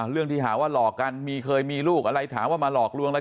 เรื่องที่หาว่าหลอกกันมีเคยมีลูกอะไรถามว่ามาหลอกลวงอะไร